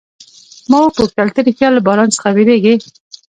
ما وپوښتل، ته ریښتیا له باران څخه بیریږې؟